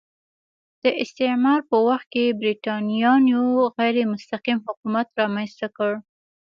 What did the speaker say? د استعمار په وخت کې برېټانویانو غیر مستقیم حکومت رامنځته کړ.